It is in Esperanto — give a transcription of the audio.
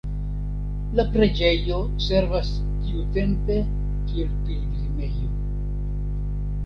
La preĝejo servas tiutempe kiel pilgrimejo.